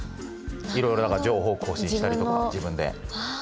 いろいろ情報更新したりとか自分でやった。